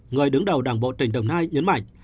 người đứng đầu đảng bộ tỉnh đồng nai nhấn mạnh